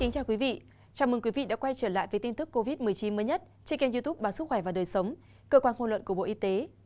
chào mừng quý vị đã quay trở lại với tin tức covid một mươi chín mới nhất trên kênh youtube bản sức khỏe và đời sống cơ quan hôn luận của bộ y tế